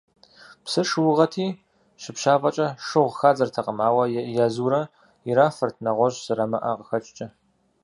Псыр шыугъэти, щыпщафӏэкӏэ шыгъу хадзэртэкъым, ауэ язурэ ирафырт, нэгъуэщӏ зэрамыӏэм къыхэкӏкӏэ.